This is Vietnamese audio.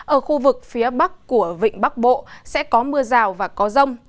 ở khu vực phía bắc của vịnh bắc bộ sẽ có mưa rào và có rông